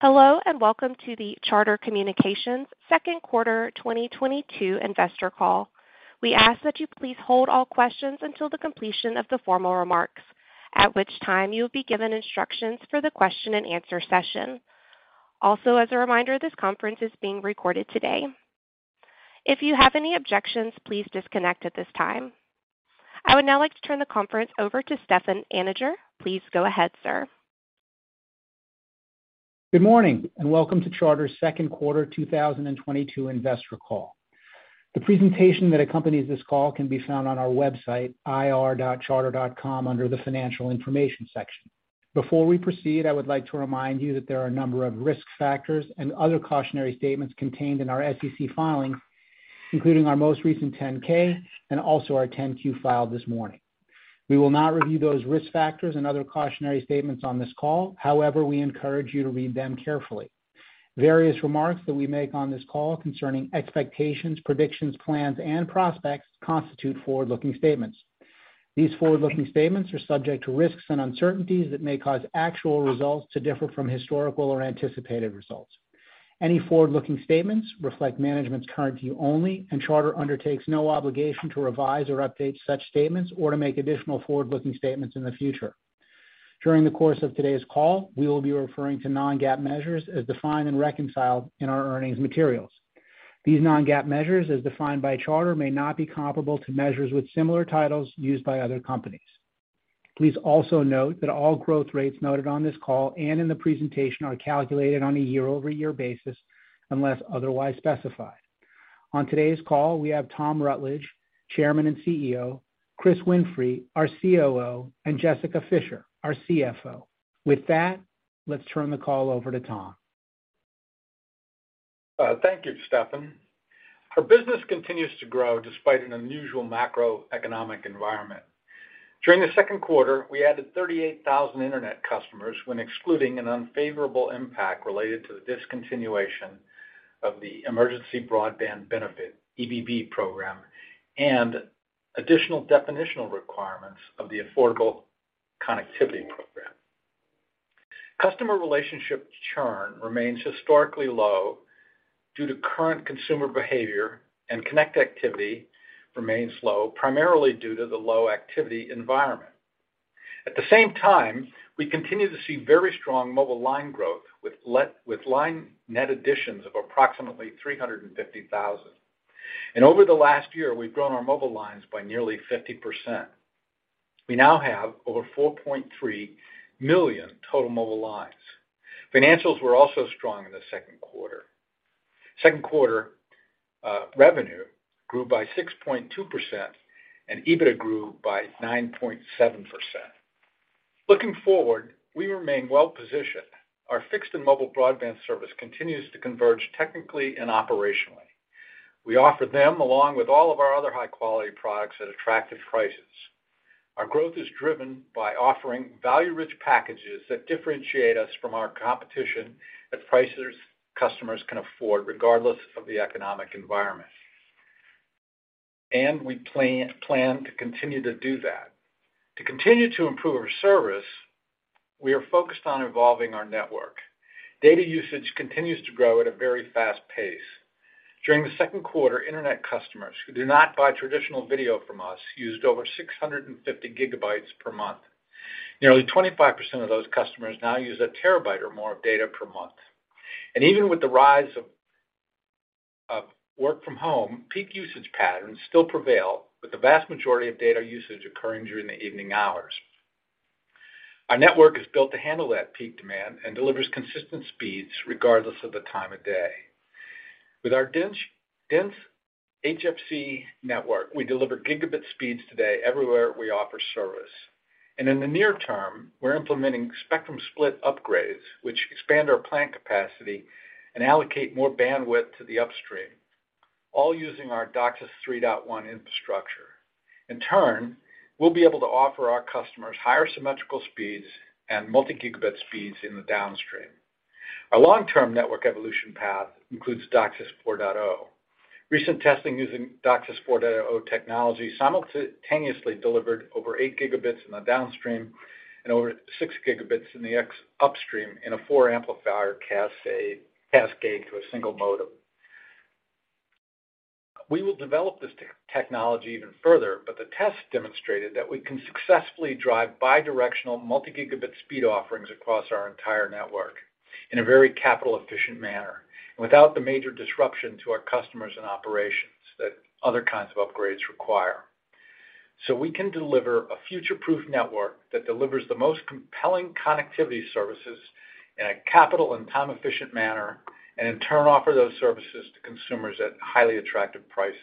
Hello, and welcome to the Charter Communications second quarter 2022 investor call. We ask that you please hold all questions until the completion of the formal remarks, at which time you'll be given instructions for the question and answer session. Also, as a reminder, this conference is being recorded today. If you have any objections, please disconnect at this time. I would now like to turn the conference over to Stefan Anninger. Please go ahead, sir. Good morning, and welcome to Charter's second quarter 2022 investor call. The presentation that accompanies this call can be found on our website, ir.charter.com, under the financial information section. Before we proceed, I would like to remind you that there are a number of risk factors and other cautionary statements contained in our SEC filing, including our most recent 10-K and also our 10-Q filed this morning. We will not review those risk factors and other cautionary statements on this call. However, we encourage you to read them carefully. Various remarks that we make on this call concerning expectations, predictions, plans, and prospects constitute forward-looking statements. These forward-looking statements are subject to risks and uncertainties that may cause actual results to differ from historical or anticipated results. Any forward-looking statements reflect management's current view only, and Charter undertakes no obligation to revise or update such statements or to make additional forward-looking statements in the future. During the course of today's call, we will be referring to non-GAAP measures as defined and reconciled in our earnings materials. These non-GAAP measures, as defined by Charter, may not be comparable to measures with similar titles used by other companies. Please also note that all growth rates noted on this call and in the presentation are calculated on a year-over-year basis unless otherwise specified. On today's call, we have Tom Rutledge, Chairman and CEO, Chris Winfrey, our COO, and Jessica Fischer, our CFO. With that, let's turn the call over to Tom. Thank you, Stefan. Our business continues to grow despite an unusual macroeconomic environment. During the second quarter, we added 38,000 internet customers when excluding an unfavorable impact related to the discontinuation of the Emergency Broadband Benefit, EBB program, and additional definitional requirements of the Affordable Connectivity Program. Customer relationship churn remains historically low due to current consumer behavior, and connect activity remains low, primarily due to the low activity environment. At the same time, we continue to see very strong mobile line growth with line net additions of approximately 350,000. Over the last year, we've grown our mobile lines by nearly 50%. We now have over 4.3 million total mobile lines. Financials were also strong in the second quarter. Second quarter revenue grew by 6.2%, and EBITDA grew by 9.7%. Looking forward, we remain well-positioned. Our fixed and mobile broadband service continues to converge technically and operationally. We offer them along with all of our other high-quality products at attractive prices. Our growth is driven by offering value-rich packages that differentiate us from our competition at prices customers can afford, regardless of the economic environment. We plan to continue to do that. To continue to improve our service, we are focused on evolving our network. Data usage continues to grow at a very fast pace. During the second quarter, internet customers who do not buy traditional video from us used over 650 GB per month. Nearly 25% of those customers now use 1 TB or more of data per month. Even with the rise of work from home, peak usage patterns still prevail, with the vast majority of data usage occurring during the evening hours. Our network is built to handle that peak demand and delivers consistent speeds regardless of the time of day. With our dense HFC network, we deliver gigabit speeds today everywhere we offer service. In the near term, we're implementing spectrum split upgrades, which expand our plant capacity and allocate more bandwidth to the upstream, all using our DOCSIS 3.1 infrastructure. In turn, we'll be able to offer our customers higher symmetrical speeds and multi-gigabit speeds in the downstream. Our long-term network evolution path includes DOCSIS 4.0. Recent testing using DOCSIS 4.0 technology simultaneously delivered over 8 Gb in the downstream and over 6 Gb in the upstream in a four amplifier cascade to a single modem. We will develop this technology even further, but the test demonstrated that we can successfully drive bi-directional multi-gigabit speed offerings across our entire network in a very capital efficient manner and without the major disruption to our customers and operations that other kinds of upgrades require. We can deliver a future-proof network that delivers the most compelling connectivity services in a capital and time efficient manner, and in turn, offer those services to consumers at highly attractive prices.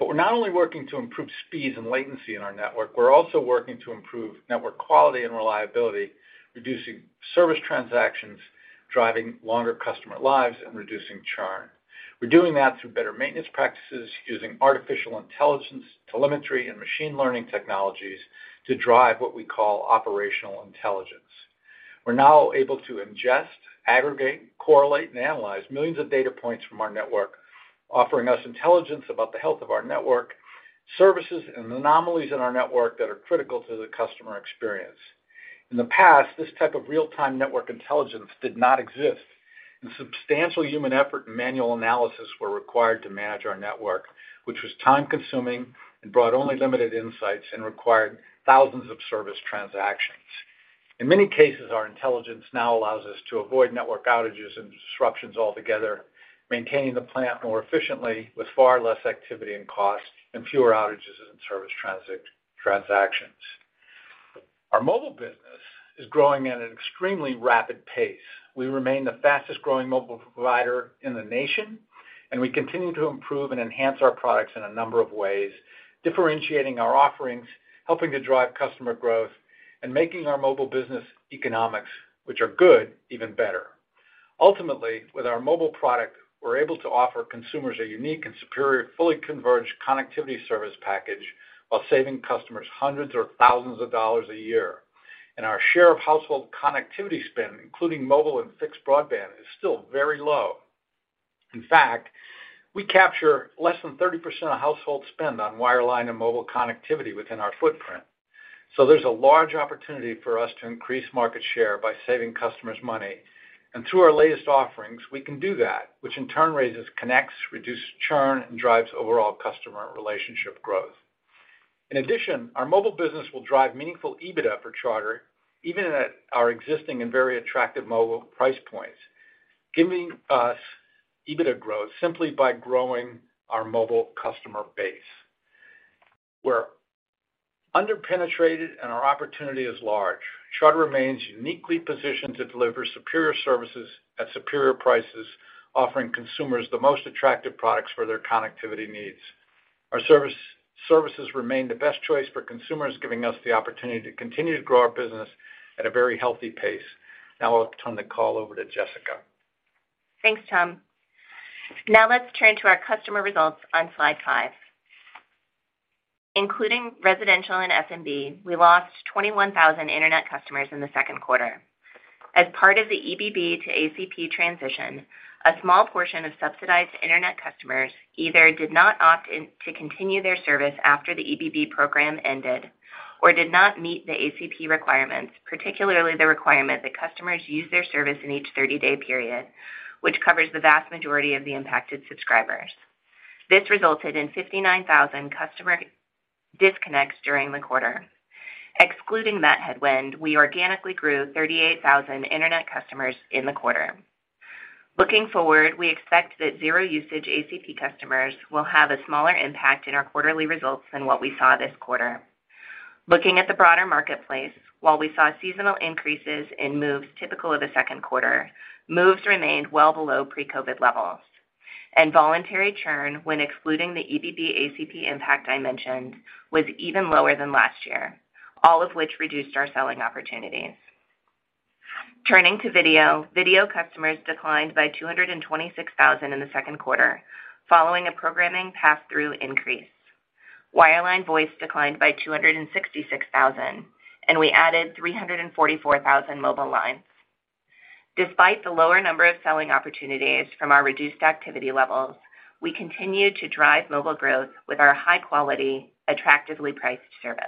We're not only working to improve speeds and latency in our network, we're also working to improve network quality and reliability, reducing service transactions, driving longer customer lives, and reducing churn. We're doing that through better maintenance practices using artificial intelligence, telemetry, and machine learning technologies to drive what we call operational intelligence. We're now able to ingest, aggregate, correlate, and analyze millions of data points from our network, offering us intelligence about the health of our network services and anomalies in our network that are critical to the customer experience. In the past, this type of real-time network intelligence did not exist, and substantial human effort and manual analysis were required to manage our network, which was time-consuming and brought only limited insights and required thousands of service transactions. In many cases, our intelligence now allows us to avoid network outages and disruptions altogether, maintaining the plant more efficiently with far less activity and cost and fewer outages and service transactions. Our mobile business is growing at an extremely rapid pace. We remain the fastest-growing mobile provider in the nation, and we continue to improve and enhance our products in a number of ways, differentiating our offerings, helping to drive customer growth, and making our mobile business economics, which are good, even better. Ultimately, with our mobile product, we're able to offer consumers a unique and superior fully converged connectivity service package while saving customers hundreds or thousands of dollars a year. Our share of household connectivity spend, including mobile and fixed broadband, is still very low. In fact, we capture less than 30% of household spend on wireline and mobile connectivity within our footprint. There's a large opportunity for us to increase market share by saving customers money. Through our latest offerings, we can do that, which in turn raises connects, reduces churn, and drives overall customer relationship growth. In addition, our mobile business will drive meaningful EBITDA for Charter, even at our existing and very attractive mobile price points, giving us EBITDA growth simply by growing our mobile customer base. We're under-penetrated, and our opportunity is large. Charter remains uniquely positioned to deliver superior services at superior prices, offering consumers the most attractive products for their connectivity needs. Our services remain the best choice for consumers, giving us the opportunity to continue to grow our business at a very healthy pace. Now I'll turn the call over to Jessica. Thanks, Tom. Now let's turn to our customer results on slide five. Including residential and SMB, we lost 21,000 internet customers in the second quarter. As part of the EBB to ACP transition, a small portion of subsidized internet customers either did not opt in to continue their service after the EBB program ended or did not meet the ACP requirements, particularly the requirement that customers use their service in each 30-day period, which covers the vast majority of the impacted subscribers. This resulted in 59,000 customer disconnects during the quarter. Excluding that headwind, we organically grew 38,000 internet customers in the quarter. Looking forward, we expect that zero usage ACP customers will have a smaller impact in our quarterly results than what we saw this quarter. Looking at the broader marketplace, while we saw seasonal increases in moves typical of the second quarter, moves remained well below pre-COVID levels. Voluntary churn, when excluding the EBB ACP impact I mentioned, was even lower than last year, all of which reduced our selling opportunities. Turning to video customers declined by 226,000 in the second quarter, following a programming pass-through increase. Wireline voice declined by 266,000, and we added 344,000 mobile lines. Despite the lower number of selling opportunities from our reduced activity levels, we continued to drive mobile growth with our high-quality, attractively priced service.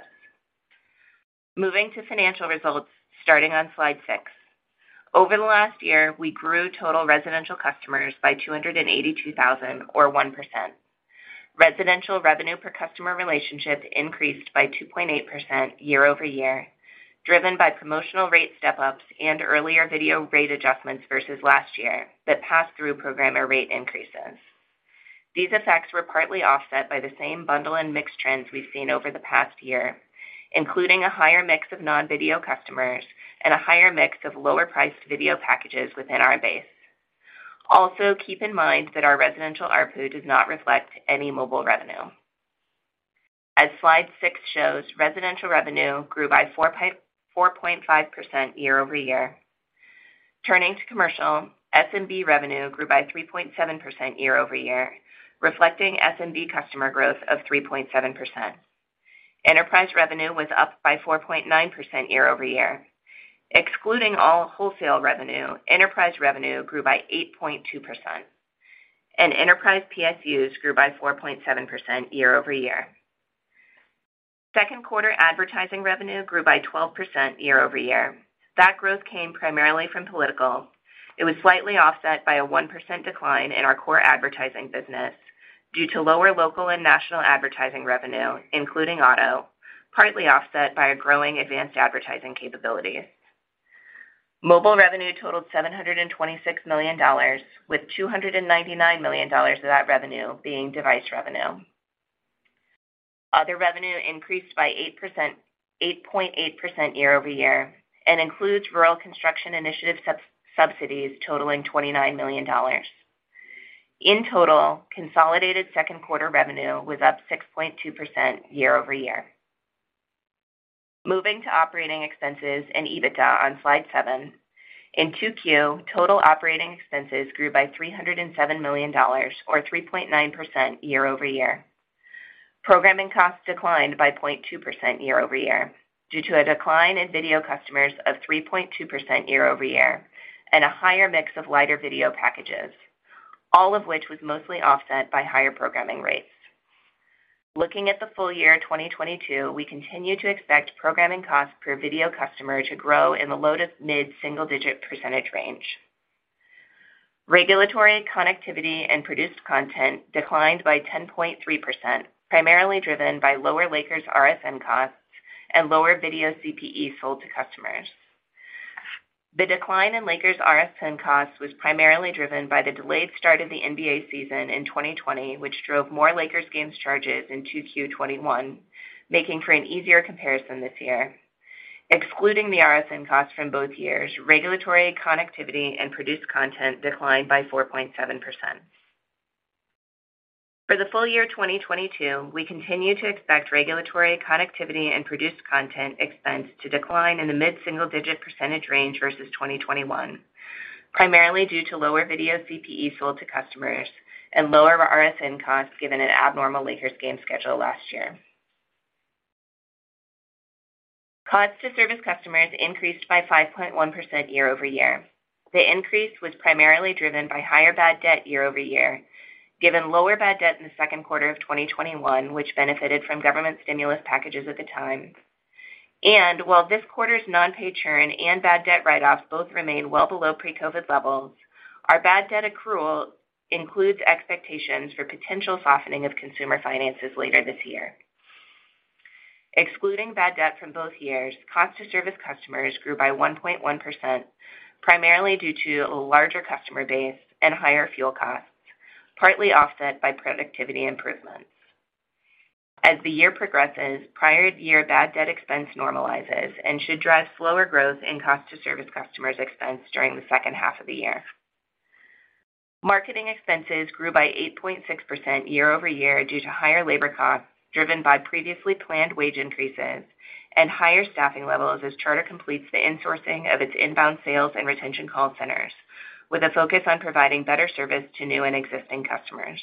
Moving to financial results, starting on slide six. Over the last year, we grew total residential customers by 282,000, or 1%. Residential revenue per customer relationship increased by 2.8% year-over-year, driven by promotional rate step-ups and earlier video rate adjustments versus last year that passed through programmer rate increases. These effects were partly offset by the same bundle and mix trends we've seen over the past year, including a higher mix of non-video customers and a higher mix of lower-priced video packages within our base. Also, keep in mind that our residential ARPU does not reflect any mobile revenue. As slide six shows, residential revenue grew by 4.5% year-over-year. Turning to commercial, SMB revenue grew by 3.7% year-over-year, reflecting SMB customer growth of 3.7%. Enterprise revenue was up by 4.9% year-over-year. Excluding all wholesale revenue, enterprise revenue grew by 8.2%. Enterprise PSUs grew by 4.7% year-over-year. Second quarter advertising revenue grew by 12% year-over-year. That growth came primarily from political. It was slightly offset by a 1% decline in our core advertising business due to lower local and national advertising revenue, including auto, partly offset by a growing advanced advertising capability. Mobile revenue totaled $726 million, with $299 million of that revenue being device revenue. Other revenue increased by 8.8% year-over-year and includes Rural Construction Initiative subsidies totaling $29 million. In total, consolidated second quarter revenue was up 6.2% year-over-year. Moving to operating expenses and EBITDA on slide seven. In 2Q, total operating expenses grew by $307 million or 3.9% year-over-year. Programming costs declined by 0.2% year-over-year due to a decline in video customers of 3.2% year-over-year and a higher mix of lighter video packages. All of which was mostly offset by higher programming rates. Looking at the full year 2022, we continue to expect programming costs per video customer to grow in the low- to mid-single-digit percentage range. Regulatory connectivity and produced content declined by 10.3%, primarily driven by lower Lakers RSN costs and lower video CPE sold to customers. The decline in Lakers RSN costs was primarily driven by the delayed start of the NBA season in 2020, which drove more Lakers games charges in 2Q 2021, making for an easier comparison this year. Excluding the RSN costs from both years, regulatory connectivity and produced content declined by 4.7%. For the full year 2022, we continue to expect regulatory connectivity and produced content expense to decline in the mid-single-digit percentage range versus 2021, primarily due to lower video CPE sold to customers and lower RSN costs given an abnormal Lakers game schedule last year. Costs to service customers increased by 5.1% year-over-year. The increase was primarily driven by higher bad debt year-over-year, given lower bad debt in the second quarter of 2021, which benefited from government stimulus packages at the time. While this quarter's non-pay churn and bad debt write-offs both remain well below pre-COVID levels, our bad debt accrual includes expectations for potential softening of consumer finances later this year. Excluding bad debt from both years, cost to service customers grew by 1.1%, primarily due to a larger customer base and higher fuel costs, partly offset by productivity improvements. As the year progresses, prior year bad debt expense normalizes and should drive slower growth in cost to service customers expense during the second half of the year. Marketing expenses grew by 8.6% year-over-year due to higher labor costs driven by previously planned wage increases and higher staffing levels as Charter completes the insourcing of its inbound sales and retention call centers, with a focus on providing better service to new and existing customers.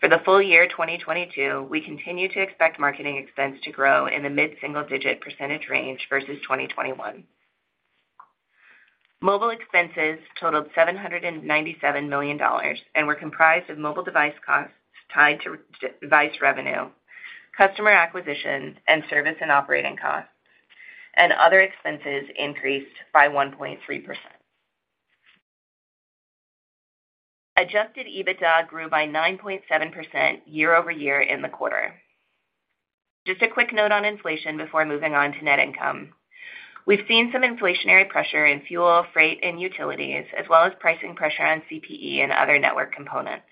For the full year 2022, we continue to expect marketing expense to grow in the mid-single-digit percentage range versus 2021. Mobile expenses totaled $797 million and were comprised of mobile device costs tied to device revenue, customer acquisition, and service and operating costs. Other expenses increased by 1.3%. Adjusted EBITDA grew by 9.7% year over year in the quarter. Just a quick note on inflation before moving on to net income. We've seen some inflationary pressure in fuel, freight, and utilities, as well as pricing pressure on CPE and other network components.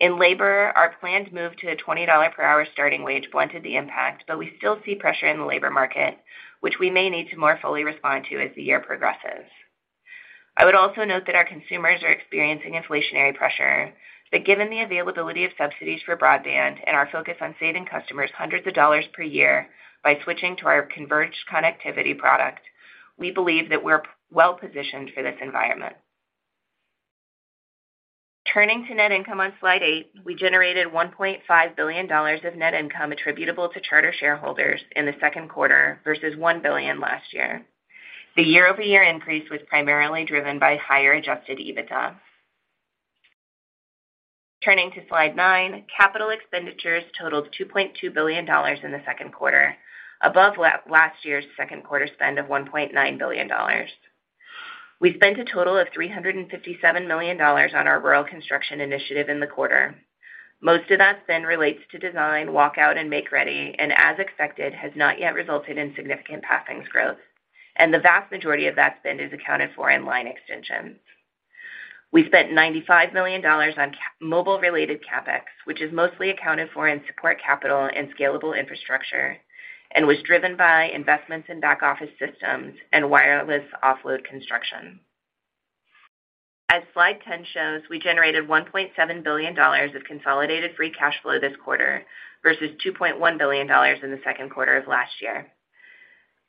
In labor, our planned move to a $20 per hour starting wage blunted the impact, but we still see pressure in the labor market, which we may need to more fully respond to as the year progresses. I would also note that our consumers are experiencing inflationary pressure, but given the availability of subsidies for broadband and our focus on saving customers hundreds of dollars per year by switching to our converged connectivity product, we believe that we're well positioned for this environment. Turning to net income on slide eight, we generated $1.5 billion of net income attributable to Charter shareholders in the second quarter versus $1 billion last year. The year-over-year increase was primarily driven by higher adjusted EBITDA. Turning to slide nine, capital expenditures totaled $2.2 billion in the second quarter, above last year's second quarter spend of $1.9 billion. We spent a total of $357 million on our Rural Construction Initiative in the quarter. Most of that spend relates to design, walkout, and make ready, and as expected, has not yet resulted in significant passings growth. The vast majority of that spend is accounted for in line extensions. We spent $95 million on mobile-related CapEx, which is mostly accounted for in support capital and scalable infrastructure, and was driven by investments in back-office systems and wireless offload construction. As slide 10 shows, we generated $1.7 billion of consolidated free cash flow this quarter versus $2.1 billion in the second quarter of last year.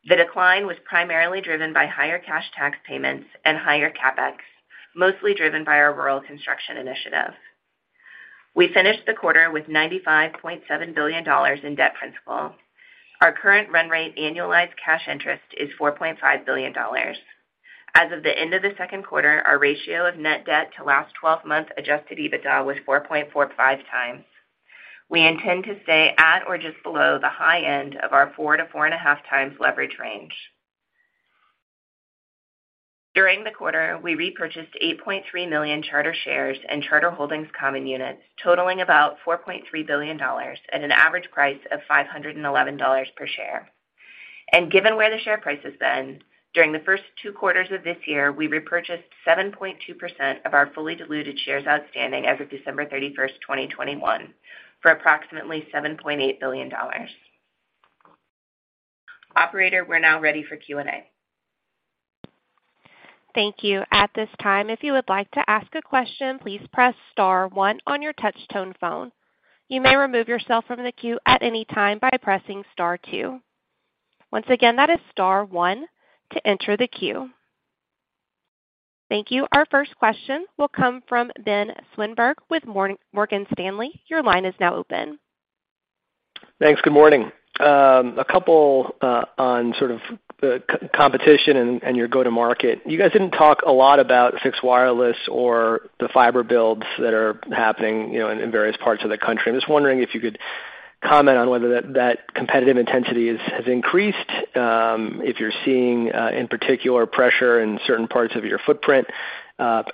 The decline was primarily driven by higher cash tax payments and higher CapEx, mostly driven by our Rural Construction Initiative. We finished the quarter with $95.7 billion in debt principal. Our current run rate annualized cash interest is $4.5 billion. As of the end of the second quarter, our ratio of net debt to last twelve months adjusted EBITDA was 4.45x. We intend to stay at or just below the high end of our 4x-4.5x leverage range. During the quarter, we repurchased 8.3 million Charter shares and Charter Holdings common units totaling about $4.3 billion at an average price of $511 per share. Given where the share price has been, during the first two quarters of this year, we repurchased 7.2% of our fully diluted shares outstanding as of December 31, 2021, for approximately $7.8 billion. Operator, we're now ready for Q&A. Thank you. At this time, if you would like to ask a question, please press star one on your touch-tone phone. You may remove yourself from the queue at any time by pressing star two. Once again, that is star one to enter the queue. Thank you. Our first question will come from Ben Swinburne with Morgan Stanley. Your line is now open. Thanks. Good morning. A couple on sort of the competition and your go-to-market. You guys didn't talk a lot about fixed wireless or the fiber builds that are happening, you know, in various parts of the country. I'm just wondering if you could comment on whether that competitive intensity has increased, if you're seeing in particular pressure in certain parts of your footprint,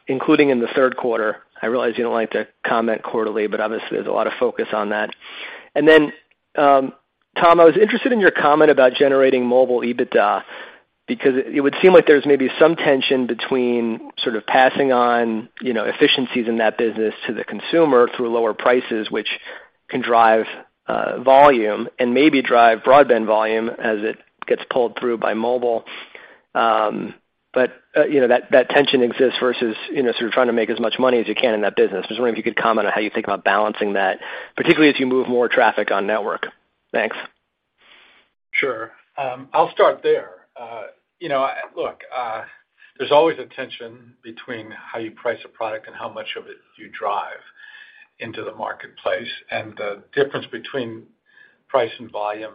including in the third quarter. I realize you don't like to comment quarterly, but obviously there's a lot of focus on that. Tom, I was interested in your comment about generating mobile EBITDA because it would seem like there's maybe some tension between sort of passing on, you know, efficiencies in that business to the consumer through lower prices, which can drive volume and maybe drive broadband volume as it gets pulled through by mobile. But you know, that tension exists versus, you know, sort of trying to make as much money as you can in that business. I was wondering if you could comment on how you think about balancing that, particularly as you move more traffic on network. Thanks. Sure. I'll start there. You know, look, there's always a tension between how you price a product and how much of it you drive into the marketplace. The difference between price and volume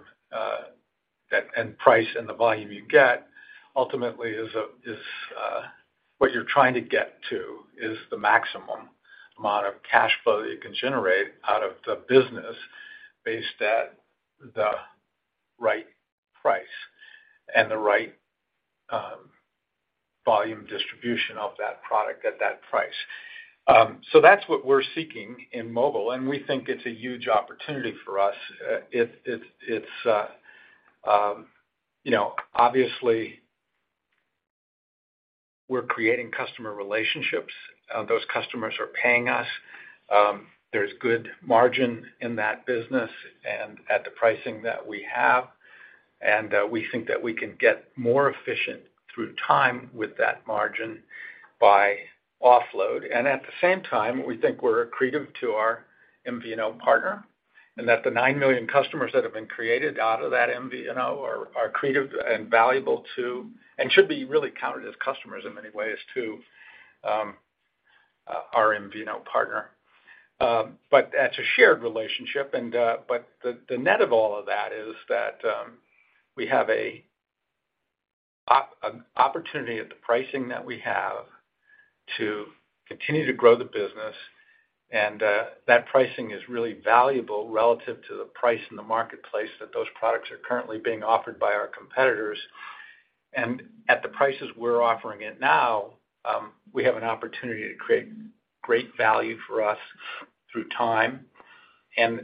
and price and the volume you get ultimately is what you're trying to get to is the maximum amount of cash flow that you can generate out of the business based on the right price and the right volume distribution of that product at that price. That's what we're seeking in mobile, and we think it's a huge opportunity for us. It's you know, obviously we're creating customer relationships. Those customers are paying us. There's good margin in that business and at the pricing that we have. We think that we can get more efficient through time with that margin by offload. At the same time, we think we're accretive to our MVNO partner and that the 9 million customers that have been created out of that MVNO are accretive and valuable to, and should be really counted as customers in many ways too, our MVNO partner. That's a shared relationship. The net of all of that is that we have an opportunity at the pricing that we have to continue to grow the business. That pricing is really valuable relative to the price in the marketplace that those products are currently being offered by our competitors. At the prices we're offering it now, we have an opportunity to create great value for us through time and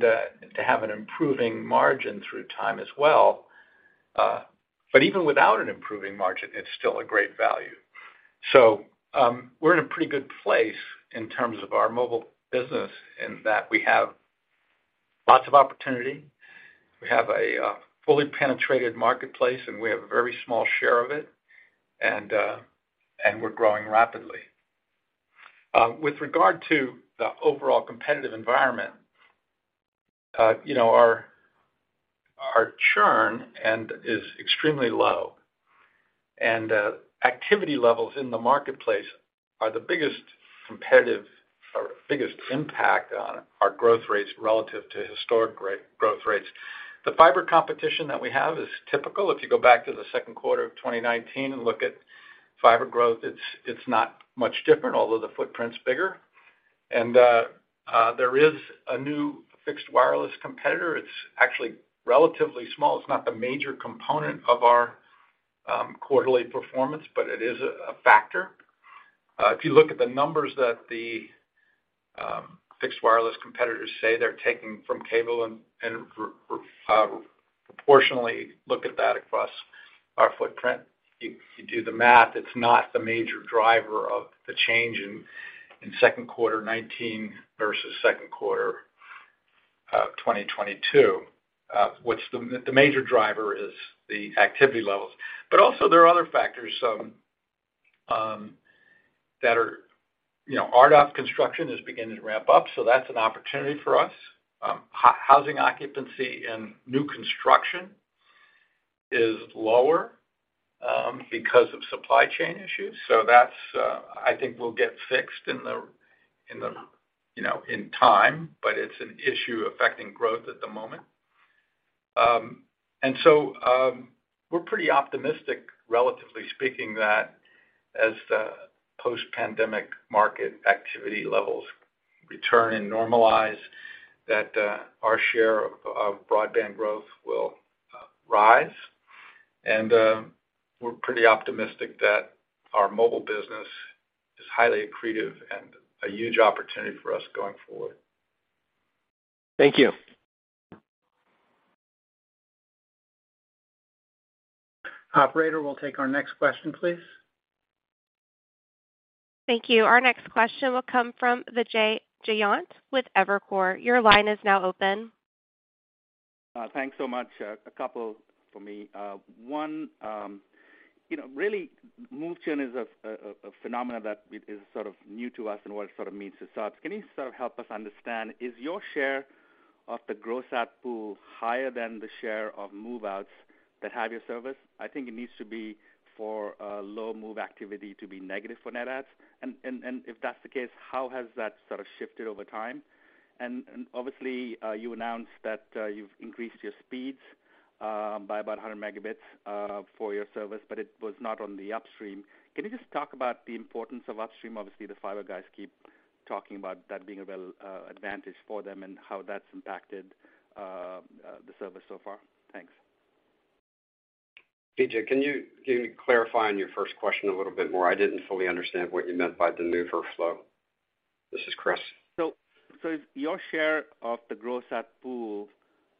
to have an improving margin through time as well. But even without an improving margin, it's still a great value. We're in a pretty good place in terms of our mobile business in that we have lots of opportunity. We have a fully penetrated marketplace, and we have a very small share of it, and we're growing rapidly. With regard to the overall competitive environment, you know, our churn is extremely low. Activity levels in the marketplace are the biggest competitive or biggest impact on our growth rates relative to historic growth rates. The fiber competition that we have is typical. If you go back to the second quarter of 2019 and look at fiber growth, it's not much different, although the footprint's bigger. There is a new fixed wireless competitor. It's actually relatively small. It's not the major component of our quarterly performance, but it is a factor. If you look at the numbers that the fixed wireless competitors say they're taking from cable and proportionally look at that across our footprint, you do the math, it's not the major driver of the change in second quarter 2019 versus second quarter 2022. The major driver is the activity levels. Also there are other factors that are, you know, RDOF construction is beginning to ramp up, so that's an opportunity for us. Housing occupancy and new construction is lower because of supply chain issues. That's, I think, will get fixed in the, you know, in time, but it's an issue affecting growth at the moment. We're pretty optimistic, relatively speaking, that as the post-pandemic market activity levels return and normalize, that our share of broadband growth will rise. We're pretty optimistic that our mobile business is highly accretive and a huge opportunity for us going forward. Thank you. Operator, we'll take our next question, please. Thank you. Our next question will come from Vijay Jayant with Evercore. Your line is now open. Thanks so much. A couple for me. One, you know, really move churn is a phenomenon that it is sort of new to us and what it sort of means to subs. Can you sort of help us understand, is your share of the gross add pool higher than the share of move-outs that have your service? I think it needs to be for low move activity to be negative for net adds. If that's the case, how has that sort of shifted over time? Obviously, you announced that you've increased your speeds by about 100 Mbps for your service, but it was not on the upstream. Can you just talk about the importance of upstream? Obviously, the fiber guys keep talking about that being a real advantage for them and how that's impacted the service so far? Thanks. Vijay, can you clarify on your first question a little bit more? I didn't fully understand what you meant by the mover flow. This is Chris. Is your share of the gross add pool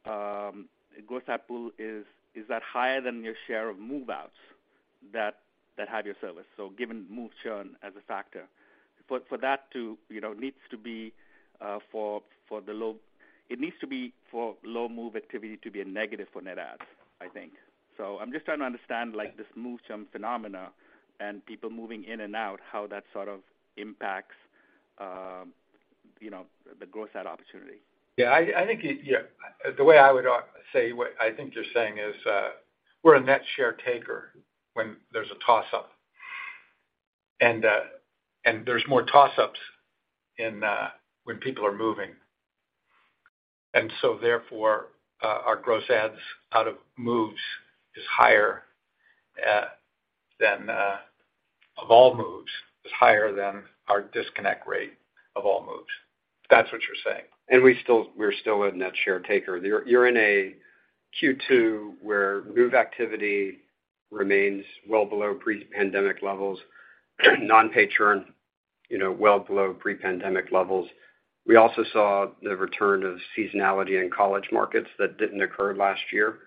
higher than your share of move-outs that have your service? Given move churn as a factor. For that to, you know, needs to be for low move activity to be a negative for net adds, I think. I'm just trying to understand, like, this move churn phenomenon and people moving in and out, how that sort of impacts you know the gross add opportunity. Yeah, I think yeah, the way I would say what I think you're saying is, we're a net share taker when there's a toss-up. There's more toss-ups in when people are moving. Therefore, our gross adds out of moves is higher than our disconnect rate of all moves. If that's what you're saying. We're still a net share taker. You're in a Q2 where move activity remains well below pre-pandemic levels, non-pay churn, you know, well below pre-pandemic levels. We also saw the return of seasonality in college markets that didn't occur last year.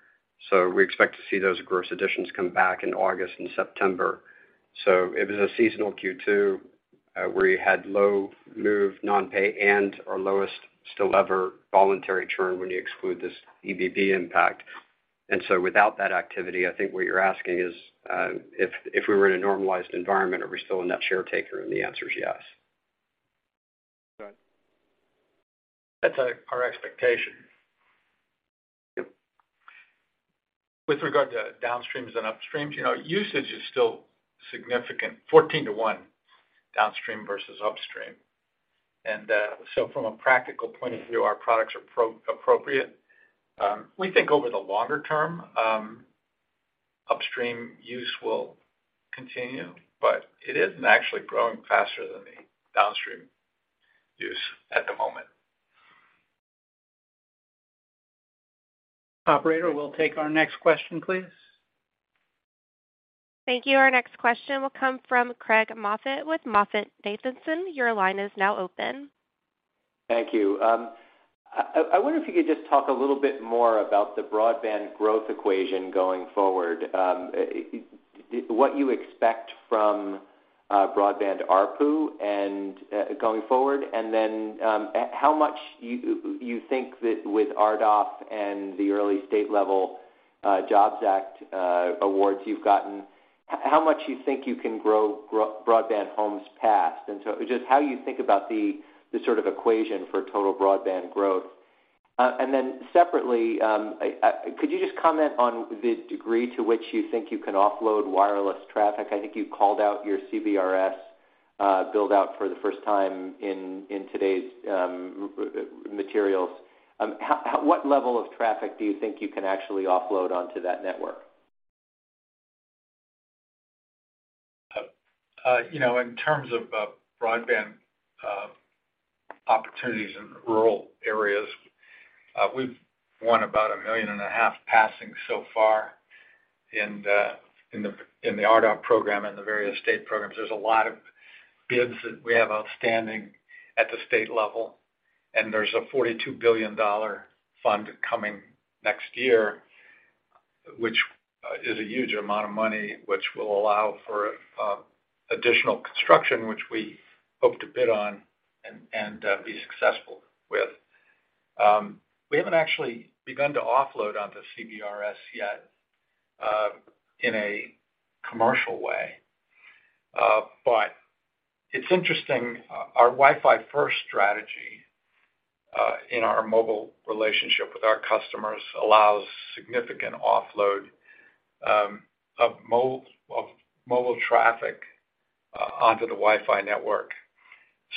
We expect to see those gross additions come back in August and September. It was a seasonal Q2, where you had low move non-pay and our lowest still ever voluntary churn when you exclude this EBB impact. Without that activity, I think what you're asking is, if we were in a normalized environment, are we still a net share taker? The answer is yes. That's our expectation. Yep. With regard to downstreams and upstreams, you know, usage is still significant, 14 to 1 downstream versus upstream. From a practical point of view, our products are appropriate. We think over the longer term, upstream use will continue, but it isn't actually growing faster than the downstream use at the moment. Operator, we'll take our next question, please. Thank you. Our next question will come from Craig Moffett with MoffettNathanson. Your line is now open. Thank you. I wonder if you could just talk a little bit more about the broadband growth equation going forward, what you expect from broadband ARPU going forward, and then how much you think that with RDOF and the early state level Jobs Act awards you've gotten, how much you think you can grow broadband homes passed? Just how you think about the sort of equation for total broadband growth. Separately, could you just comment on the degree to which you think you can offload wireless traffic? I think you called out your CBRS build out for the first time in today's materials. What level of traffic do you think you can actually offload onto that network? You know, in terms of broadband opportunities in rural areas, we've won about 1.5 million passing so far in the RDOF program and the various state programs. There's a lot of bids that we have outstanding at the state level, and there's a $42 billion fund coming next year, which is a huge amount of money, which will allow for additional construction, which we hope to bid on and be successful with. We haven't actually begun to offload onto CBRS yet in a commercial way. It's interesting, our Wi-Fi First strategy in our mobile relationship with our customers allows significant offload of mobile traffic onto the Wi-Fi network.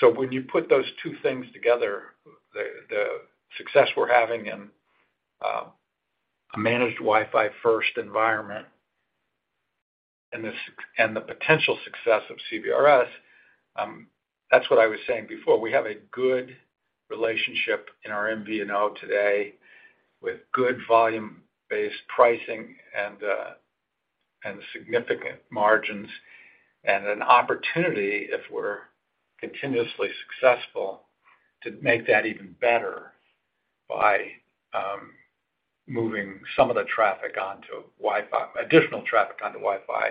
When you put those two things together, the success we're having in a managed Wi-Fi First environment and the potential success of CBRS, that's what I was saying before. We have a good relationship in our MVNO today with good volume-based pricing and significant margins and an opportunity, if we're continuously successful, to make that even better by moving some of the traffic onto Wi-Fi, additional traffic onto Wi-Fi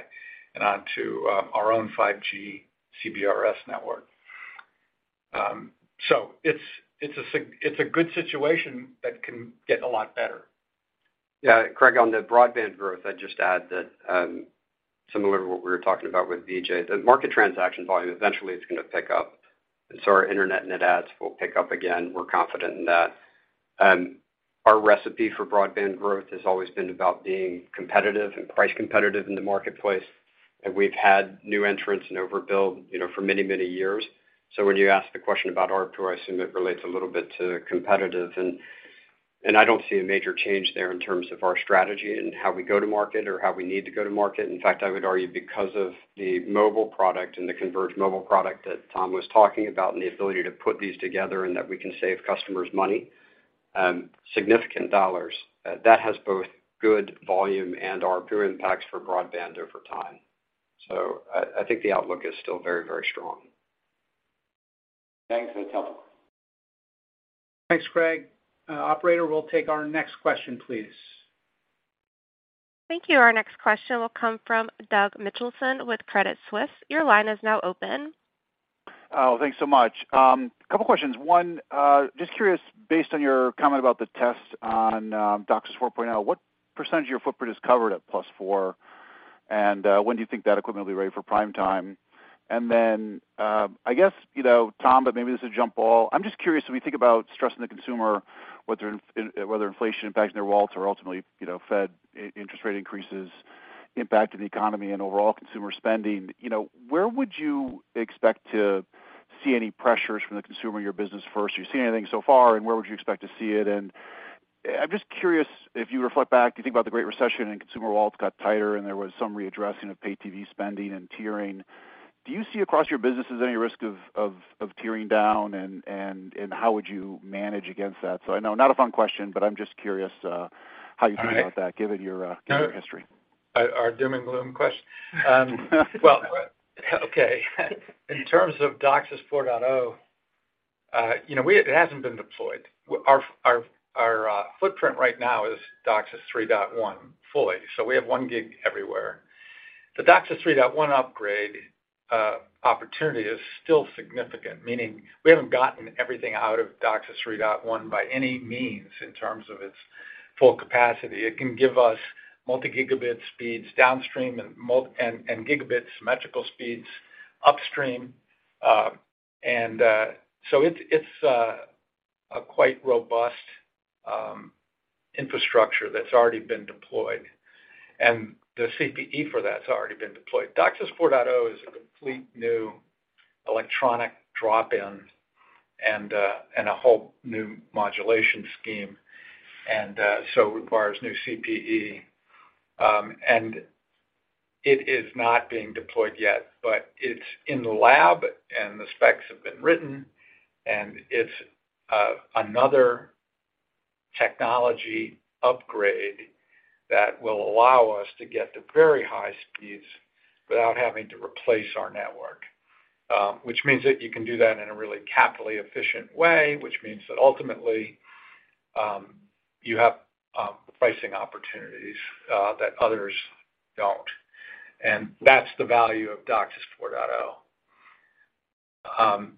and onto our own 5G CBRS network. It's a good situation that can get a lot better. Yeah, Craig, on the broadband growth, I'd just add that, similar to what we were talking about with Vijay, the market transaction volume, eventually it's gonna pick up. Our internet net adds will pick up again. We're confident in that. Our recipe for broadband growth has always been about being competitive and price competitive in the marketplace. We've had new entrants and overbuild, you know, for many, many years. When you ask the question about ARPU, I assume it relates a little bit to competitive. I don't see a major change there in terms of our strategy and how we go to market or how we need to go to market. In fact, I would argue because of the mobile product and the converged mobile product that Tom was talking about and the ability to put these together and that we can save customers money, significant dollars, that has both good volume and ARPU impacts for broadband over time. I think the outlook is still very, very strong. Thanks. That's helpful. Thanks, Craig. Operator, we'll take our next question, please. Thank you. Our next question will come from Doug Mitchelson with Credit Suisse. Your line is now open. Oh, thanks so much. Couple questions. One, just curious, based on your comment about the test on DOCSIS 4.0, what percentage of your footprint is covered at plus four? And when do you think that equipment will be ready for prime time? And then, I guess, you know, Tom, but maybe this is a jump ball. I'm just curious, when we think about stressing the consumer, whether inflation impacts their wallets or ultimately, you know, Fed interest rate increases impacting the economy and overall consumer spending, you know, where would you expect to see any pressures from the consumer or your business first? Are you seeing anything so far, and where would you expect to see it? I'm just curious, if you reflect back, you think about the Great Recession and consumer wallets got tighter and there was some readdressing of pay TV spending and tiering, do you see across your businesses any risk of tiering down and how would you manage against that? I know not a fun question, but I'm just curious, how you think about that given your history. Our doom and gloom question? Well, okay. In terms of DOCSIS 4.0, you know, it hasn't been deployed. Our footprint right now is DOCSIS 3.1 fully. We have one gig everywhere. The DOCSIS 3.1 upgrade opportunity is still significant, meaning we haven't gotten everything out of DOCSIS 3.1 by any means in terms of its full capacity. It can give us multi-gigabit speeds downstream and gigabit symmetrical speeds upstream. It's a quite robust infrastructure that's already been deployed, and the CPE for that's already been deployed. DOCSIS 4.0 is a complete new electronic drop-in and a whole new modulation scheme, and so requires new CPE. It is not being deployed yet, but it's in the lab and the specs have been written, and it's another technology upgrade that will allow us to get to very high speeds without having to replace our network. Which means that you can do that in a really capital efficient way, which means that ultimately you have pricing opportunities that others don't. That's the value of DOCSIS 4.0.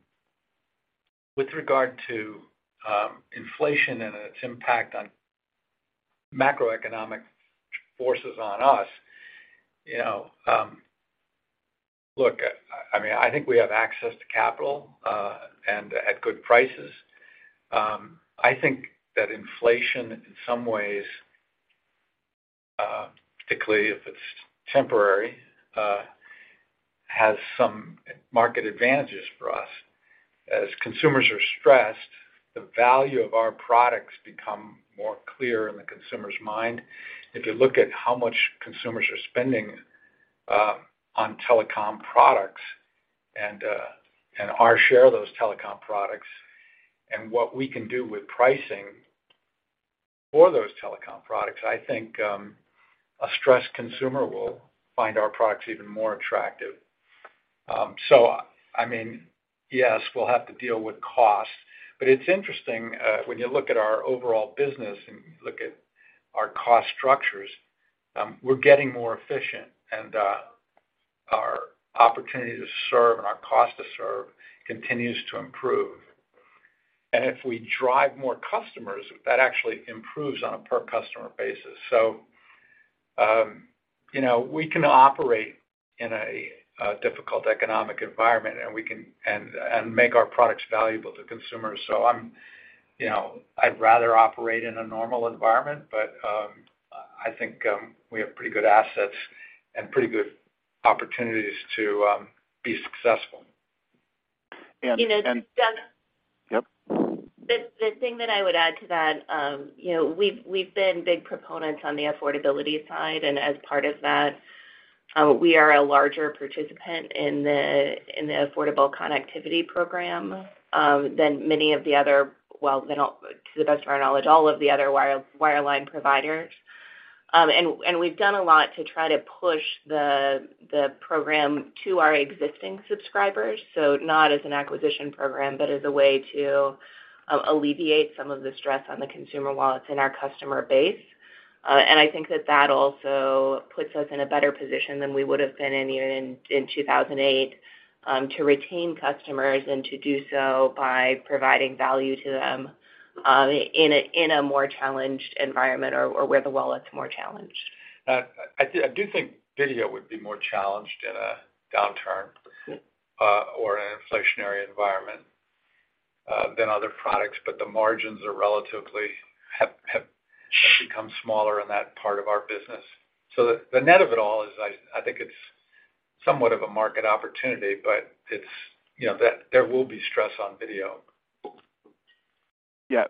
With regard to inflation and its impact on macroeconomic forces on us, you know, look, I mean I think we have access to capital and at good prices. I think that inflation in some ways, particularly if it's temporary, has some market advantages for us. As consumers are stressed, the value of our products become more clear in the consumer's mind. If you look at how much consumers are spending on telecom products and our share of those telecom products and what we can do with pricing for those telecom products, I think a stressed consumer will find our products even more attractive. I mean, yes, we'll have to deal with cost. It's interesting when you look at our overall business and look at our cost structures, we're getting more efficient and our opportunity to serve and our cost to serve continues to improve. If we drive more customers, that actually improves on a per customer basis. You know, we can operate in a difficult economic environment and we can make our products valuable to consumers. I'm, you know, I'd rather operate in a normal environment, but I think we have pretty good assets and pretty good opportunities to be successful. You know, Doug? Yep. The thing that I would add to that, you know, we've been big proponents on the affordability side, and as part of that, we are a larger participant in the Affordable Connectivity Program than many of the other, well, they don't, to the best of our knowledge, all of the other wireline providers. We've done a lot to try to push the program to our existing subscribers, so not as an acquisition program, but as a way to alleviate some of the stress on the consumer while it's in our customer base. I think that also- Puts us in a better position than we would have been in even in 2008 to retain customers and to do so by providing value to them in a more challenged environment or where the wallet's more challenged. I do think video would be more challenged in a downturn or an inflationary environment than other products, but the margins are relatively high, have become smaller in that part of our business. The net of it all is I think it's somewhat of a market opportunity, but it's, you know, that there will be stress on video. Yeah.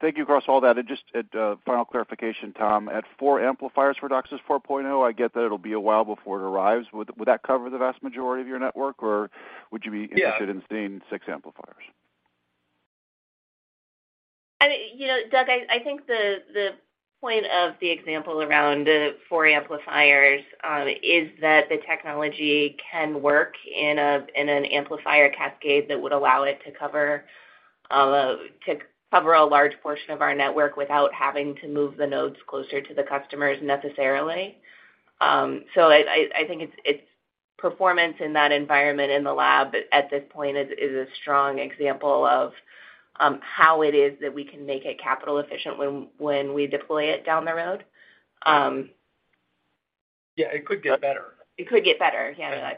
Thank you for all that. Just a final clarification, Tom. At four amplifiers for DOCSIS 4.0, I get that it'll be a while before it arrives. Would that cover the vast majority of your network, or would you be interested- Yeah. In seeing six amplifiers? I mean, you know, Doug, I think the point of the example around the four amplifiers is that the technology can work in an amplifier cascade that would allow it to cover a large portion of our network without having to move the nodes closer to the customers necessarily. I think it's performance in that environment in the lab at this point is a strong example of how it is that we can make it capital efficient when we deploy it down the road. Yeah, it could get better. It could get better. Yeah.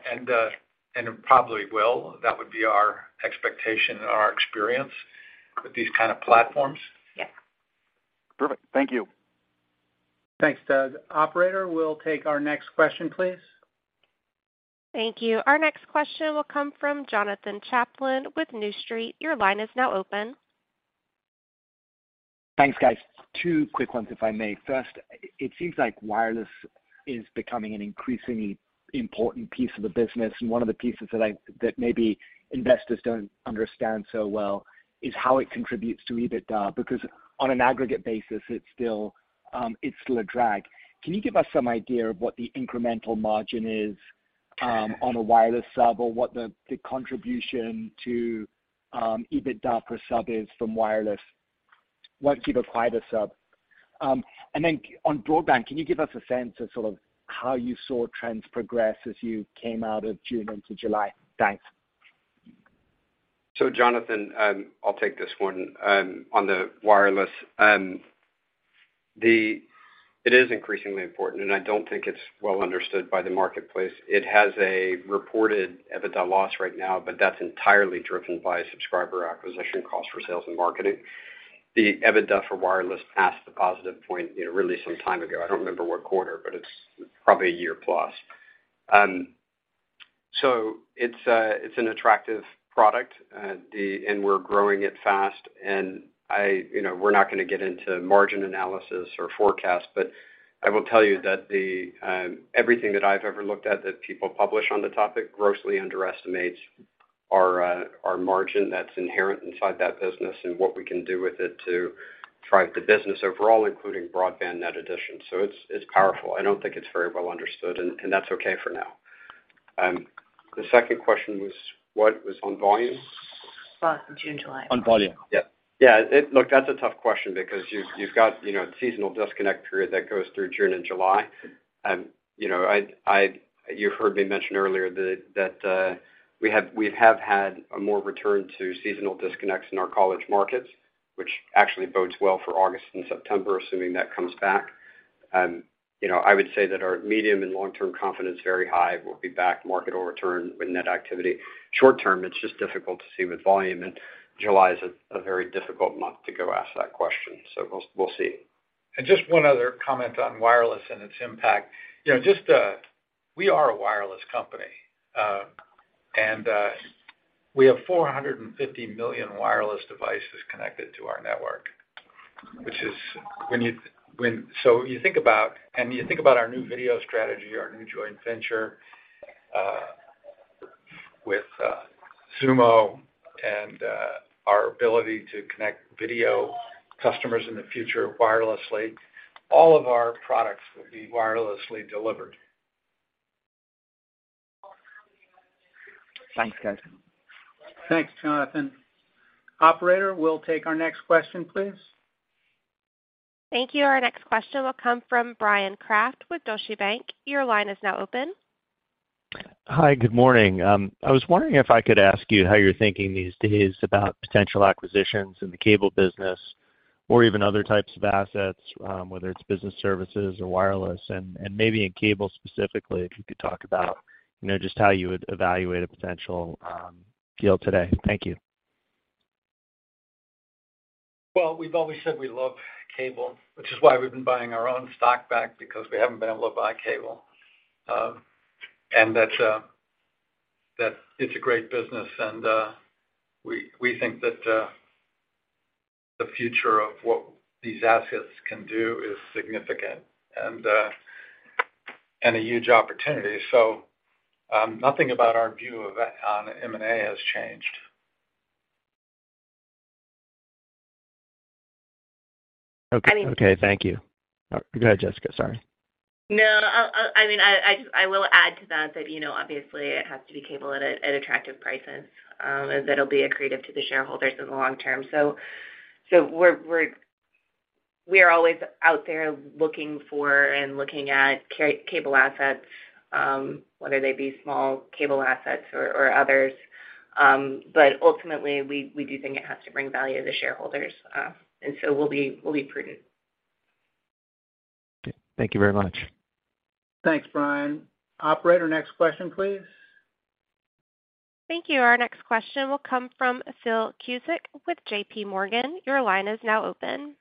It probably will. That would be our expectation and our experience with these kind of platforms. Yes. Perfect. Thank you. Thanks, Doug. Operator, we'll take our next question, please. Thank you. Our next question will come from Jonathan Chaplin with New Street Research. Your line is now open. Thanks, guys. Two quick ones, if I may. First, it seems like wireless is becoming an increasingly important piece of the business, and one of the pieces that maybe investors don't understand so well is how it contributes to EBITDA, because on an aggregate basis, it's still a drag. Can you give us some idea of what the incremental margin is on a wireless sub or what the contribution to EBITDA per sub is from wireless once you acquire the sub? On broadband, can you give us a sense of sort of how you saw trends progress as you came out of June into July? Thanks. Jonathan, I'll take this one on the wireless. It is increasingly important, and I don't think it's well understood by the marketplace. It has a reported EBITDA loss right now, but that's entirely driven by subscriber acquisition costs for sales and marketing. The EBITDA for wireless passed the positive point, you know, really some time ago. I don't remember what quarter, but it's probably a year plus. It's an attractive product. We're growing it fast, and I, you know, we're not gonna get into margin analysis or forecast, but I will tell you that everything that I've ever looked at that people publish on the topic grossly underestimates our margin that's inherent inside that business and what we can do with it to drive the business overall, including broadband net addition. It's powerful. I don't think it's very well understood, and that's okay for now. The second question was what was on volume? Volume, June, July. On volume. Yeah. Yeah. Look, that's a tough question because you've got, you know, seasonal disconnect period that goes through June and July. You know, I'd—you heard me mention earlier that we have had a more return to seasonal disconnects in our college markets, which actually bodes well for August and September, assuming that comes back. You know, I would say that our medium and long-term confidence is very high. We'll be back. Market will return with net activity. Short term, it's just difficult to see with volume, and July is a very difficult month to go ask that question. We'll see. Just one other comment on wireless and its impact. You know, we are a wireless company, and we have 450 million wireless devices connected to our network. You think about our new video strategy, our new joint venture with Xumo and our ability to connect video customers in the future wirelessly, all of our products will be wirelessly delivered. Thanks, guys. Thanks, Jonathan. Operator, we'll take our next question, please. Thank you. Our next question will come from Bryan Kraft with Deutsche Bank. Your line is now open. Hi. Good morning. I was wondering if I could ask you how you're thinking these days about potential acquisitions in the cable business or even other types of assets, whether it's business services or wireless. Maybe in cable specifically, if you could talk about, you know, just how you would evaluate a potential deal today. Thank you. Well, we've always said we love cable, which is why we've been buying our own stock back because we haven't been able to buy cable. That's a great business, and we think that the future of what these assets can do is significant and a huge opportunity. Nothing about our view on M&A has changed. I mean. Okay. Thank you. Go ahead, Jessica. Sorry. No, I'll. I mean, I just will add to that, you know, obviously it has to be cable at attractive prices that'll be accretive to the shareholders in the long term. We are always out there looking for and looking at cable assets, whether they be small cable assets or others. Ultimately, we do think it has to bring value to shareholders. We'll be prudent. Okay. Thank you very much. Thanks, Bryan. Operator, next question, please. Thank you. Our next question will come from Phil Cusick with JPMorgan. Your line is now open.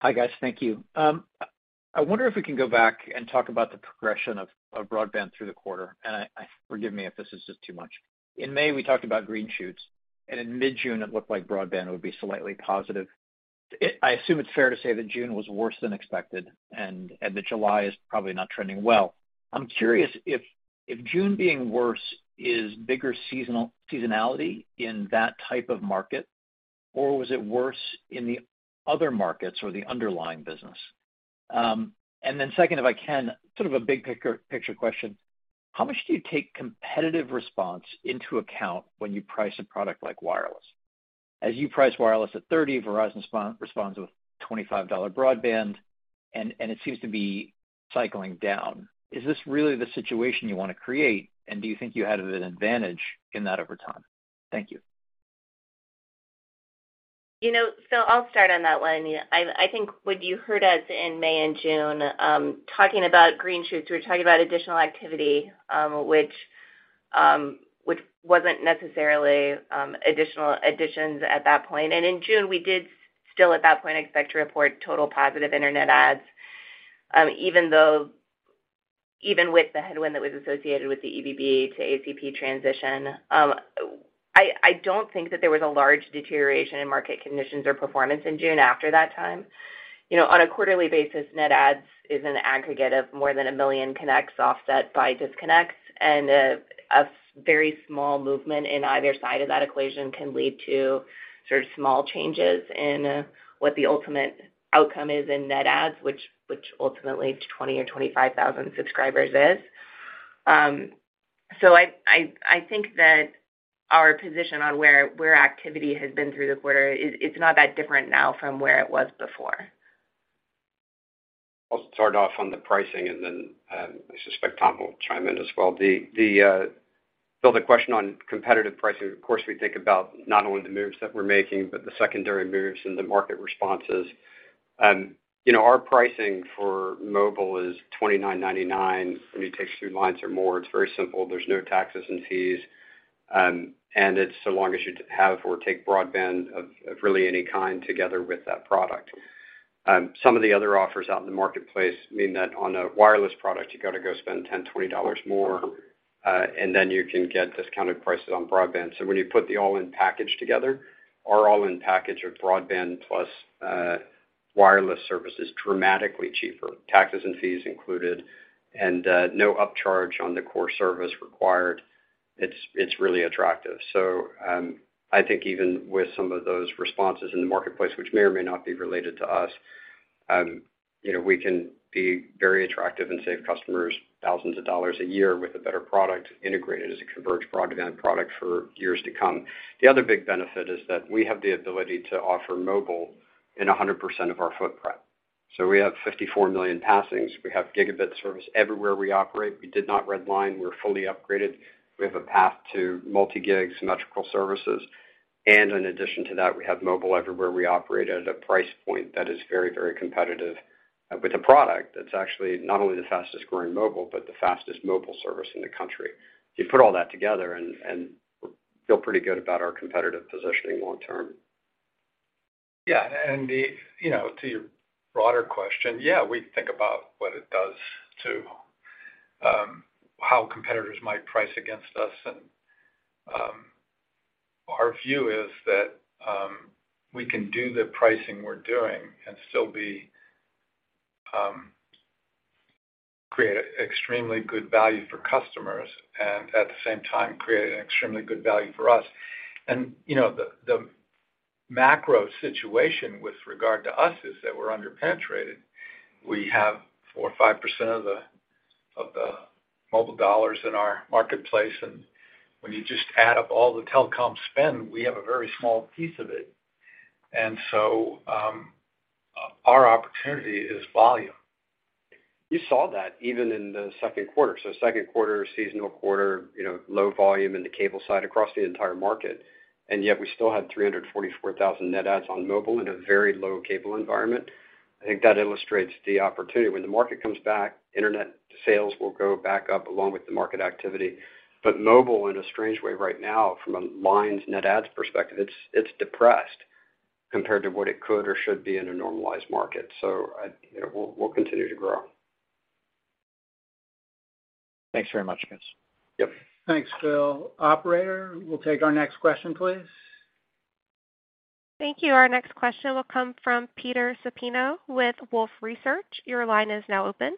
Hi, guys. Thank you. I wonder if we can go back and talk about the progression of broadband through the quarter, and forgive me if this is just too much. In May, we talked about green shoots, and in mid-June, it looked like broadband would be slightly positive. I assume it's fair to say that June was worse than expected and that July is probably not trending well. I'm curious if June being worse is bigger seasonality in that type of market, or was it worse in the other markets or the underlying business? Second, if I can, sort of a big picture question. How much do you take competitive response into account when you price a product like wireless? As you price wireless at $30, Verizon responds with $25 broadband, and it seems to be cycling down. Is this really the situation you wanna create, and do you think you have an advantage in that over time? Thank you. You know, Phil, I'll start on that one. I think when you heard us in May and June, talking about green shoots, we were talking about additional activity, which wasn't necessarily additions at that point. In June, we did still at that point expect to report total positive internet adds, even with the headwind that was associated with the EBB to ACP transition. I don't think that there was a large deterioration in market conditions or performance in June after that time. You know, on a quarterly basis, net adds is an aggregate of more than 1 million connects offset by disconnects, and a very small movement in either side of that equation can lead to sort of small changes in what the ultimate outcome is in net adds, which ultimately 20,000 or 25,000 subscribers is. So I think that our position on where activity has been through the quarter is, it's not that different now from where it was before. I'll start off on the pricing, and then I suspect Tom will chime in as well. Phil, the question on competitive pricing, of course, we think about not only the moves that we're making but the secondary moves and the market responses. You know, our pricing for mobile is $29.99 when you take two lines or more. It's very simple. There's no taxes and fees. It's so long as you have or take broadband of really any kind together with that product. Some of the other offers out in the marketplace mean that on a wireless product, you've got to go spend $10, $20 more, and then you can get discounted prices on broadband. When you put the all-in package together, our all-in package of broadband plus wireless service is dramatically cheaper, taxes and fees included, and no upcharge on the core service required. It's really attractive. I think even with some of those responses in the marketplace, which may or may not be related to us, you know, we can be very attractive and save customers thousands of dollars a year with a better product integrated as a converged broadband product for years to come. The other big benefit is that we have the ability to offer mobile in 100% of our footprint. We have 54 million passings. We have gigabit service everywhere we operate. We did not red line. We're fully upgraded. We have a path to multi-gig symmetrical services. In addition to that, we have mobile everywhere we operate at a price point that is very, very competitive, with a product that's actually not only the fastest growing mobile but the fastest mobile service in the country. You put all that together and we feel pretty good about our competitive positioning long term. Yeah. You know, to your broader question, yeah, we think about what it does to how competitors might price against us. Our view is that we can do the pricing we're doing and still create extremely good value for customers and at the same time create an extremely good value for us. You know, the macro situation with regard to us is that we're under-penetrated. We have 4% or 5% of the mobile dollars in our marketplace. When you just add up all the telecom spend, we have a very small piece of it. Our opportunity is volume. You saw that even in the second quarter. Second quarter, seasonal quarter, you know, low volume in the cable side across the entire market, and yet we still had 344,000 net adds on mobile in a very low cable environment. I think that illustrates the opportunity. When the market comes back, internet sales will go back up along with the market activity. Mobile, in a strange way right now from a lines net adds perspective, it's depressed compared to what it could or should be in a normalized market. You know, we'll continue to grow. Thanks very much, guys. Yep. Thanks, Phil. Operator, we'll take our next question, please. Thank you. Our next question will come from Peter Supino with Wolfe Research. Your line is now open.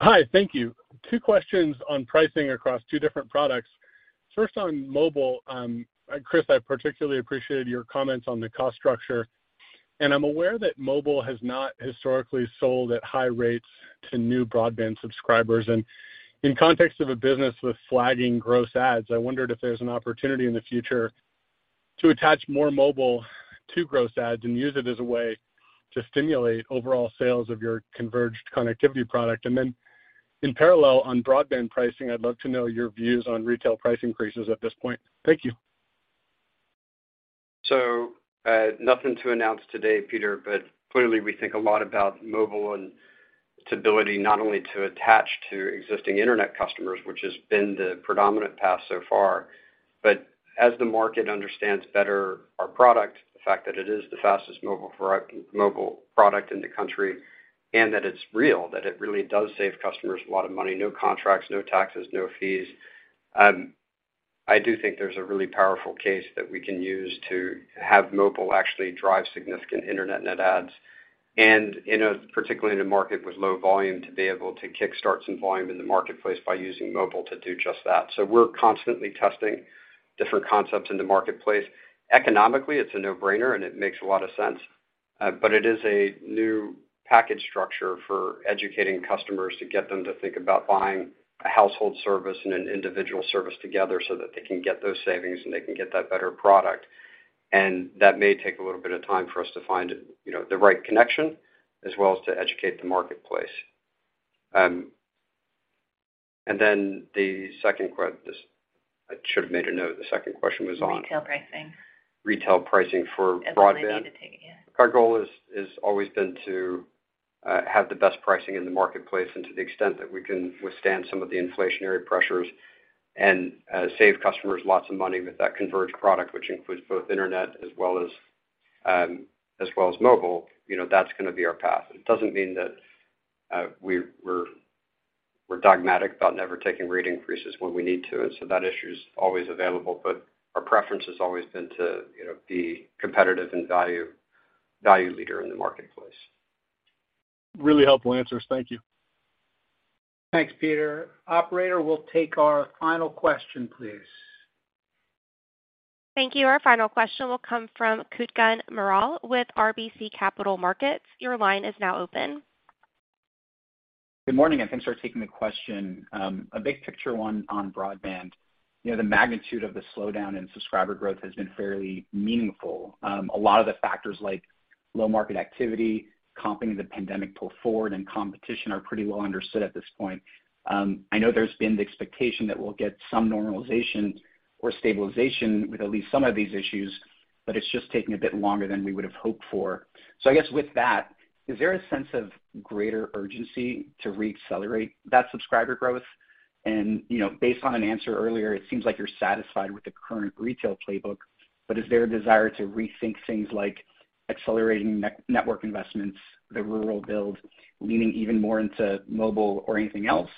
Hi. Thank you. Two questions on pricing across two different products. First, on mobile, Chris, I particularly appreciated your comments on the cost structure. I'm aware that mobile has not historically sold at high rates to new broadband subscribers, and in context of a business with flagging gross adds, I wondered if there's an opportunity in the future to attach more mobile to gross adds and use it as a way to stimulate overall sales of your converged connectivity product. In parallel, on broadband pricing, I'd love to know your views on retail price increases at this point. Thank you. Nothing to announce today, Peter, but clearly we think a lot about mobile and its ability not only to attach to existing internet customers, which has been the predominant path so far, but as the market understands better our product, the fact that it is the fastest mobile product in the country and that it's real, that it really does save customers a lot of money, no contracts, no taxes, no fees. I do think there's a really powerful case that we can use to have mobile actually drive significant internet net adds, and particularly in a market with low volume, to be able to kick-start some volume in the marketplace by using mobile to do just that. We're constantly testing different concepts in the marketplace. Economically, it's a no-brainer, and it makes a lot of sense. It is a new package structure for educating customers to get them to think about buying a household service and an individual service together so that they can get those savings, and they can get that better product. That may take a little bit of time for us to find, you know, the right connection as well as to educate the marketplace. I should have made a note. The second question was on? Retail pricing. Retail pricing for broadband. As well as when you need to take it, yeah. Our goal is always been to have the best pricing in the marketplace and to the extent that we can withstand some of the inflationary pressures and save customers lots of money with that converged product, which includes both internet as well as mobile, you know, that's gonna be our path. It doesn't mean that we're dogmatic about never taking rate increases when we need to, and so that issue's always available, but our preference has always been to, you know, be competitive and value leader in the marketplace. Really helpful answers. Thank you. Thanks, Peter. Operator, we'll take our final question, please. Thank you. Our final question will come from Kutgun Maral with RBC Capital Markets. Your line is now open. Good morning, and thanks for taking the question. A big picture one on broadband. You know, the magnitude of the slowdown in subscriber growth has been fairly meaningful. A lot of the factors like low market activity, comping the pandemic pull forward and competition are pretty well understood at this point. I know there's been the expectation that we'll get some normalization or stabilization with at least some of these issues, but it's just taking a bit longer than we would have hoped for. I guess with that, is there a sense of greater urgency to reaccelerate that subscriber growth? You know, based on an answer earlier, it seems like you're satisfied with the current retail playbook, but is there a desire to rethink things like accelerating network investments, the rural build, leaning even more into mobile or anything else?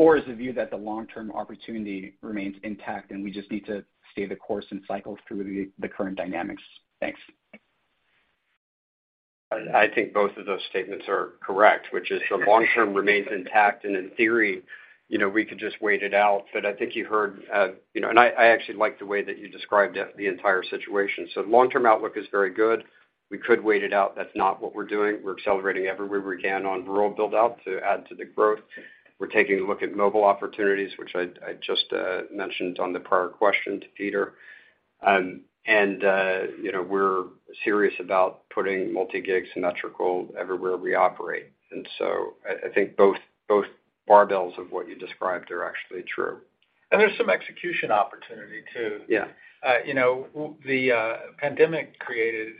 Is the view that the long-term opportunity remains intact, and we just need to stay the course and cycle through the current dynamics? Thanks. I think both of those statements are correct, which is the long-term remains intact, and in theory, you know, we could just wait it out. I think you heard, you know. I actually like the way that you described the entire situation. Long-term outlook is very good. We could wait it out. That's not what we're doing. We're accelerating everywhere we can on rural build-out to add to the growth. We're taking a look at mobile opportunities, which I just mentioned on the prior question to Peter. You know, we're serious about putting multi-gig symmetrical everywhere we operate. I think both barbells of what you described are actually true. There's some execution opportunity too. Yeah. You know, the pandemic created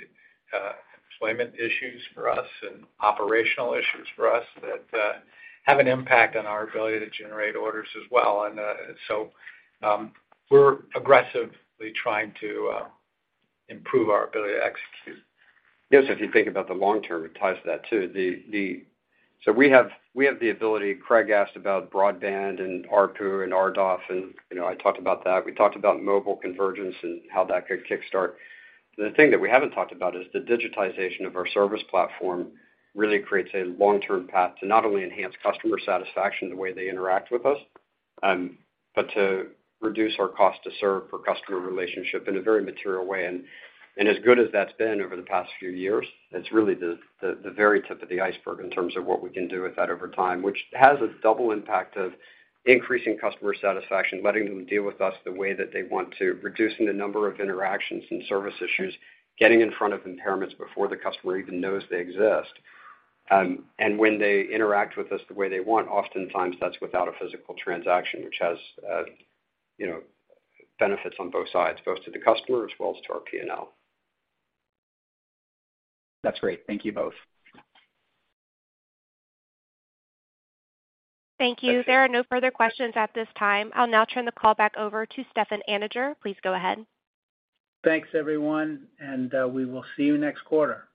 employment issues for us and operational issues for us that have an impact on our ability to generate orders as well. We're aggressively trying to improve our ability to execute. Yes, if you think about the long term, it ties to that too. We have the ability. Craig asked about broadband and ARPU and RDOF, and, you know, I talked about that. We talked about mobile convergence and how that could kickstart. The thing that we haven't talked about is the digitization of our service platform really creates a long-term path to not only enhance customer satisfaction the way they interact with us, but to reduce our cost to serve per customer relationship in a very material way. As good as that's been over the past few years, it's really the very tip of the iceberg in terms of what we can do with that over time, which has a double impact of increasing customer satisfaction, letting them deal with us the way that they want to, reducing the number of interactions and service issues, getting in front of impairments before the customer even knows they exist. When they interact with us the way they want, oftentimes that's without a physical transaction, which has, you know, benefits on both sides, both to the customer as well as to our P&L. That's great. Thank you both. Thank you. There are no further questions at this time. I'll now turn the call back over to Stefan Anninger. Please go ahead. Thanks, everyone, and we will see you next quarter.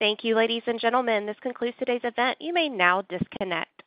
Thank you, ladies and gentlemen. This concludes today's event. You may now disconnect.